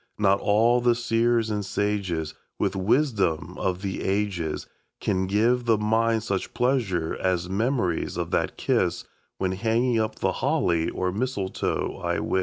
Not all the seers and sages With wisdom of the ages Can give the mind such pleasure as memories of that kiss When hanging up the holly or mistletoe, I wis.